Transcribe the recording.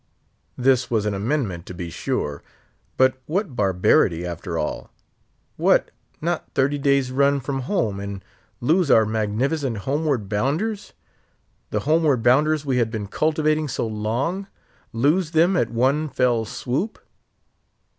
This was an amendment, to be sure; but what barbarity, after all! What! not thirty days' run from home, and lose our magnificent homeward bounders! The homeward bounders we had been cultivating so long! Lose them at one fell swoop?